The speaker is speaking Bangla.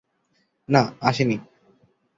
না, আসিনি।